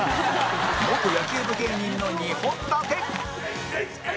元野球部芸人の２本立て